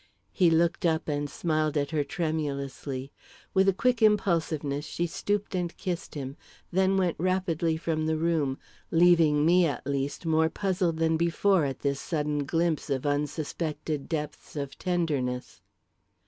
He looked up and smiled at her tremulously. With a quick impulsiveness, she stooped and kissed him, then went rapidly from the room, leaving me, at least, more puzzled than before at this sudden glimpse of unsuspected depths of tenderness.